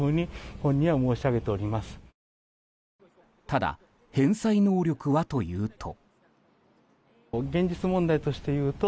ただ、返済能力はというと。